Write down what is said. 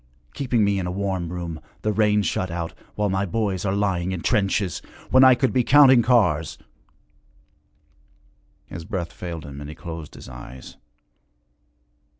Keeping me in a warm room, the rain shut out, while my boys are lying in trenches! When I could be counting cars ' His breath failed him and he closed his eyes.